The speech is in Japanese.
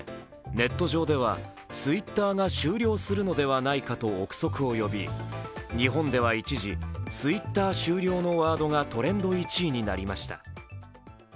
ネット上では、Ｔｗｉｔｔｅｒが終了するのではないかと臆測を呼び、日本では一時、「Ｔｗｉｔｔｅｒ終了」のワードがトレンド１位になりました。